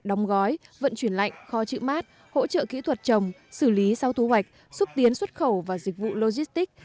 đóng gói vận chuyển lạnh kho chữ bát hỗ trợ kỹ thuật trồng xử lý sau thu hoạch xúc tiến xuất khẩu và dịch vụ logistics